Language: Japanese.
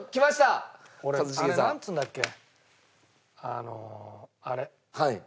あのあれ。